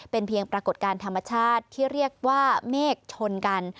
เป็นเพียงปรากฏการณ์ธรรมชาติที่เรียกว่าเมฆชนกัน